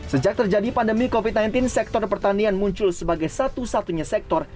sejak terjadi pandemi covid sembilan belas sektor pertanian muncul sebagai satu satunya sektor